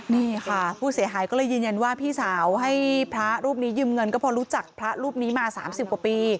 นี่ค่ะผู้เสียหายก็เลยยืนยันว่าพี่สาวให้พระรูปนี้ยืมเงินก็พอรู้จักพระรูปนี้มา๓๐กว่าปี